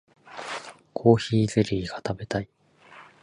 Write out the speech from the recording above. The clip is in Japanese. コーヒーゼリーが食べたい